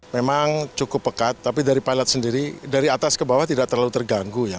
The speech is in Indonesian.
memang cukup pekat tapi dari pilot sendiri dari atas ke bawah tidak terlalu terganggu ya